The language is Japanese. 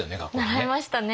習いましたね。